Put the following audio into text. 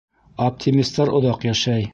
Оптимистар оҙаҡ йәшәй